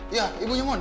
iya ibunya maudi bener